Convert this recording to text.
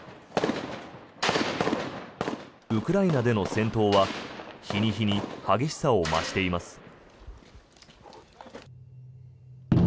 ウクライナでの戦闘は日に日に激しさを増しています。